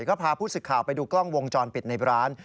ก็พาผู้สึกข่าวไปดูกล้องวงจรปิดในร้าน